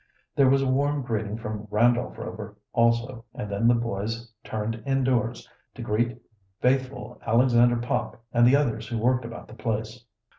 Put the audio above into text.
There was a warm greeting from Randolph Rover also, and then the boys turned indoors, to greet faithful Alexander Pop and the others who worked about the place.